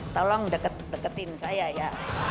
tolong deketin saya ya